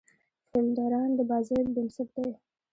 فیلډران د بازۍ بېنسټ دي.